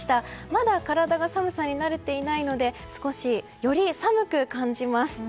まだ体が寒さに慣れていないのでより寒く感じます。